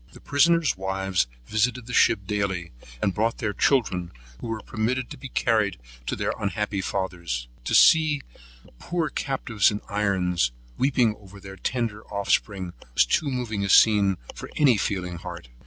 The prisoners' wives visited the ship daily and brought their children, who were permitted to be carried to their unhappy fathers. To see the poor captives in irons, weeping over their tender offspring, was too moving a scene for any feeling heart.